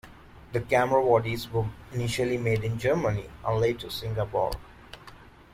The camera bodies were initially made in Germany, and later, Singapore.